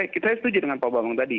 saya setuju dengan pak bambang tadi